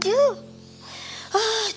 aduh ulangnya tempuju